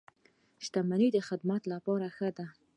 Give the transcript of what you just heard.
• شتمني د خدمت لپاره ښه ده.